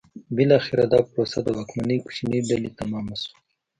بالاخره دا پروسه د واکمنې کوچنۍ ډلې تمامه شوه.